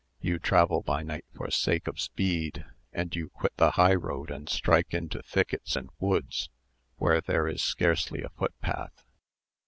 You travel by night for sake of speed, and you quit the high road, and strike into thickets and woods where there is scarcely a footpath.